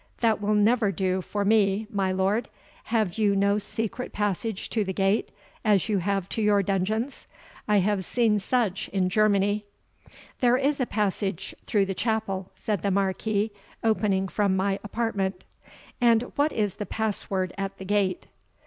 that will never do for me, my lord; have you no secret passage to the gate, as you have to your dungeons? I have seen such in Germany." "There is a passage through the chapel," said the Marquis, "opening from my apartment." "And what is the pass word at the gate?"